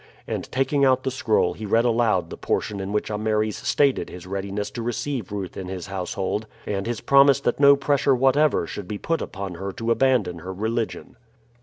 And taking out the scroll he read aloud the portion in which Ameres stated his readiness to receive Ruth in his household, and his promise that no pressure whatever should be put upon her to abandon her religion.